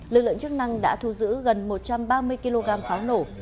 lực lượng chức năng đã thu giữ gần một trăm ba mươi kg pháo nổ